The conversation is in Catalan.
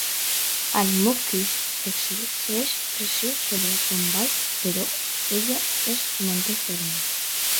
El "mukhi" exerceix pressió sobre Sonbai però ella es manté ferma.